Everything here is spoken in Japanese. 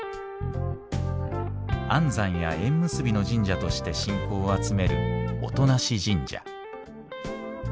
安産や縁結びの神社として信仰を集める音無神社。